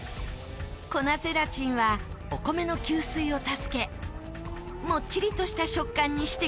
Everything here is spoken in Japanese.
粉ゼラチンはお米の吸水を助けもっちりとした食感にしてくれるんです。